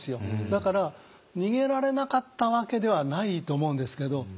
だから逃げられなかったわけではないと思うんですけど。